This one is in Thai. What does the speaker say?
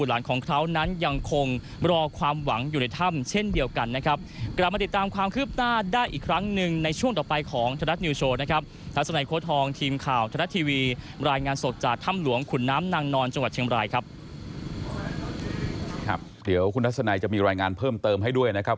ท่ำหลวงขุนน้ำนางนอนจังหวัดเชียงรายครับครับเดี๋ยวคุณทัศนัยจะมีรายงานเพิ่มเติมให้ด้วยนะครับ